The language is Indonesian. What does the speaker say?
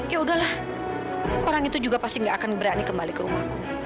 ya udahlah orang itu juga pasti gak akan berani kembali ke rumahku